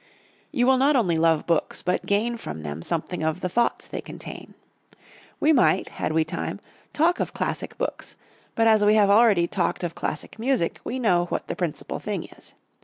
You will not only love books, but gain from them something of the thoughts they contain. We might, had we time, talk of classic books, but as we have already talked of classic music we know what the principal thing is.